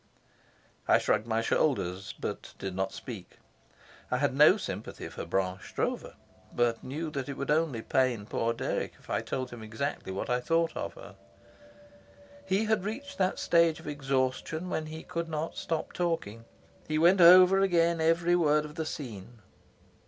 I shrugged my shoulders, but did not speak. I had no sympathy for Blanche Stroeve, but knew that it would only pain poor Dirk if I told him exactly what I thought of her. He had reached that stage of exhaustion when he could not stop talking. He went over again every word of the scene.